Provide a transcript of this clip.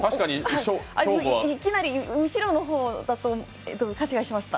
いきなり後ろの方と勘違いしてました。